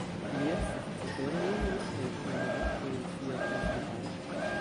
Li estis, cetere, unu el la plej bonaj monaĥoj el sia kunfrataro.